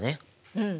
うん。